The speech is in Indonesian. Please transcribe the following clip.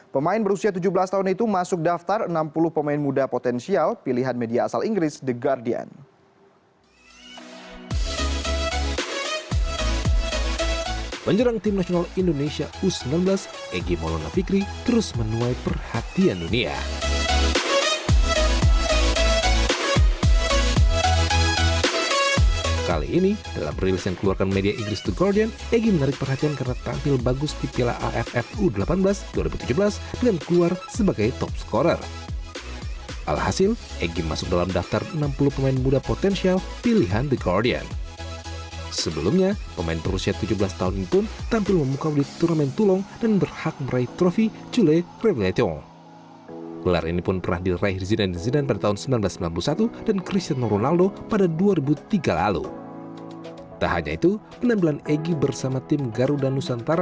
pemain berusia tujuh belas tahun itu masuk daftar enam puluh pemain muda potensial pilihan media asal inggris the guardian